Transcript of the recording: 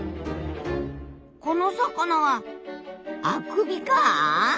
この魚はあくびかあ？